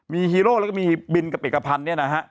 มีฮีโร่และมีบิลกับเอกพันธ์